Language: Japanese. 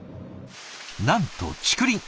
なんと竹林。